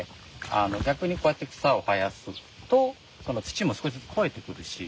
逆にこうやって草を生やすと土も少しずつ肥えてくるし